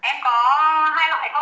em có hai loại thôi